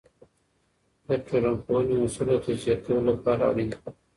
د ټولنپوهنې اصول د تجزیه کولو لپاره اړین دي.